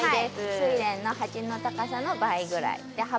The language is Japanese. スイレンの鉢の高さの倍です。